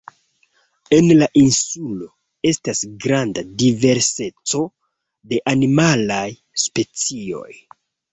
En la insulo, estas granda diverseco de animalaj specioj.